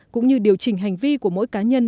cũng như điều chỉnh hành vi của mỗi cá nhân